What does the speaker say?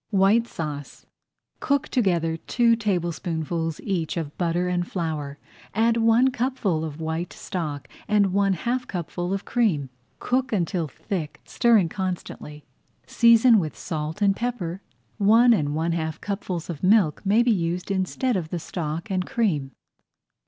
WHITE SAUCE Cook together two tablespoonfuls each of butter and flour, add one cupful of white stock and one half cupful of cream. Cook until thick, stirring constantly. Season with salt and pepper. One and one half cupfuls of milk may be used instead of the stock and cream.